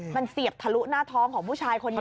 มันเสียบทะลุหน้าท้องของผู้ชายคนนี้